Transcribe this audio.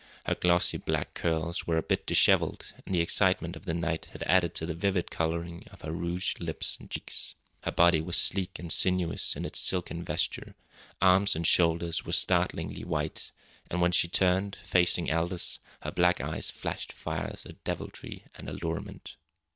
Her glossy black curls were a bit dishevelled, and the excitement of the night had added to the vivid colouring of her rouged lips and cheeks. Her body was sleek and sinuous in its silken vesture; arms and shoulders were startlingly white; and when she turned, facing Aldous, her black eyes flashed fires of deviltry and allurement.